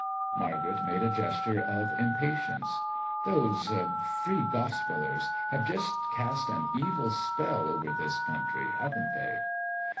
Margaret made a gesture of impatience. "Those Free Gospellers have just cast an evil spell over this country, haven't they?"